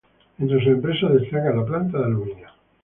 Entre sus empresas destaca la planta de aluminio.